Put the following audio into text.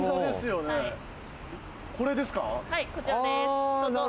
これですか？